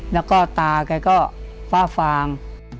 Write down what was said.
แล้วก็ตาแกก็ฟ้าฟาง